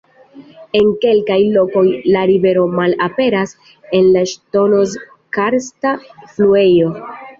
En kelkaj lokoj la rivero "malaperas" en la ŝtonoz-karsta fluejo.